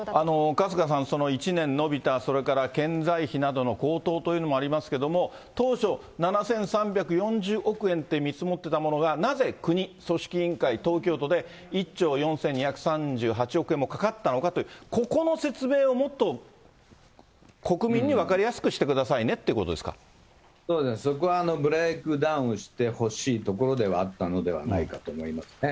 春日さん、１年延びた、それから建材費などの高騰というのもありますけれども、当初、７３４０億円って見積もってたものが、なぜ、国、組織委員会、東京都で、１兆４２３８億円もかかったのかという、ここの説明をもっと国民に分かりやすくしてくださいねってことでそうです、そこはブレークダウンしてほしいところではあったのではないかと思いますね。